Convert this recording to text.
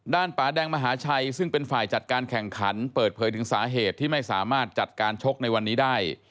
ป่าแดงมหาชัยซึ่งเป็นฝ่ายจัดการแข่งขันเปิดเผยถึงสาเหตุที่ไม่สามารถจัดการชกในวันนี้ได้